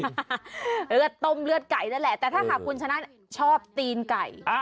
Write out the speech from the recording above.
มีเลือดไก่ได้แหละแต่ถ้าคุณชนะชอบตีนไก่